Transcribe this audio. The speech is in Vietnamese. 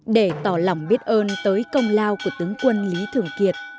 để tỏ lòng biết ơn tới công lao của tướng quân lý thường kiệt